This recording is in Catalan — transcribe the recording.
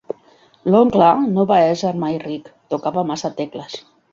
L'oncle no va ésser mai ric: tocava massa tecles.